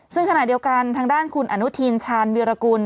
ซึ่งขณะเดียวกันทางด้านคุณอนุทินชาญวิรากุล